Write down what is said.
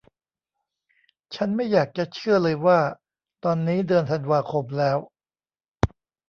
ฉันไม่อยากจะเชื่อเลยว่าตอนนี้เดือนธันวาคมแล้ว